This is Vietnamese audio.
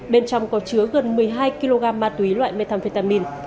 bên trong có chứa gần một mươi hai kg ma túy loại methamphetamin